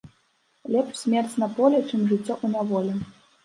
Лепш смерць на полі, чым жыццё ў няволі